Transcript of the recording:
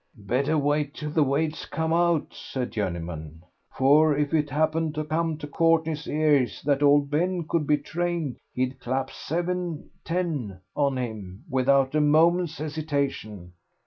"Better wait until the weights come out," said Journeyman, "for if it happened to come to Courtney's ears that old Ben could be trained he'd clap seven ten on him without a moment's hesitation."